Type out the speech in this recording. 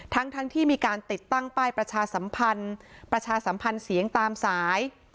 ทั้งที่มีการติดตั้งป้ายประชาสัมพันธ์ประชาสัมพันธ์เสียงตามสาย